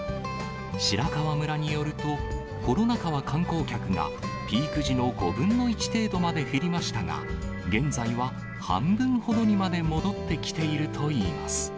白川村によると、コロナ禍は観光客がピーク時の５分の１程度まで減りましたが、現在は半分ほどにまで戻ってきているといいます。